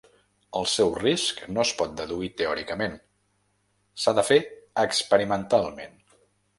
El seu risc no es pot deduir teòricament, s’ha de fer experimentalment.